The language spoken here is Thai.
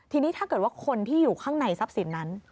ทีนี้ถ้าเกิดว่าคนที่อยู่ข้างในทรัพย์สินนั้น